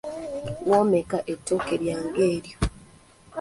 Womeka ettooke lyange eryo.